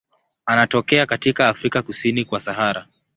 Anatokea katika Afrika kusini kwa Sahara.